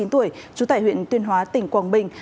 hai mươi chín tuổi chú tại huyện tuyên hóa tỉnh quảng bình